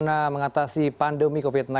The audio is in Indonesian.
karena mengatasi pandemi covid sembilan belas